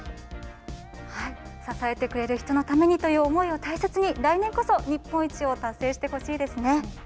支えてくれる人のためにという思いを大切に来年こそ日本一を達成してほしいですね。